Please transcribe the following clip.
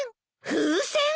風船！？